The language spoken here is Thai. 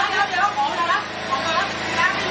อันดับที่สุดท้ายก็จะเป็น